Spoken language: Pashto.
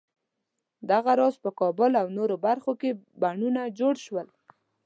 دغه راز په کابل او نورو برخو کې بڼونه جوړ شول.